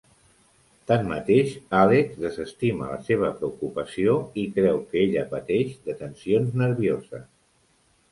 Tanmateix, Alex desestima la seva preocupació i creu que ella pateix de tensions nervioses.